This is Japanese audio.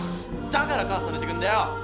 だから母さん出ていくんだよ！